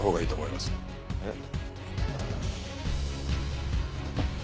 えっ？